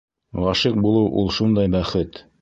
Ғашиҡ булыу ул шундай бәхет!